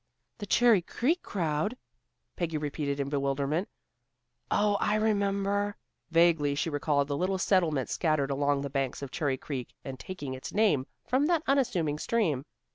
"The Cherry Creek crowd?" Peggy repeated in bewilderment. "Oh, I remember." Vaguely she recalled the little settlement scattered along the banks of Cherry Creek and taking its name from that unassuming stream.